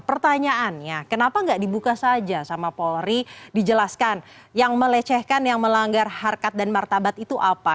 pertanyaannya kenapa nggak dibuka saja sama polri dijelaskan yang melecehkan yang melanggar harkat dan martabat itu apa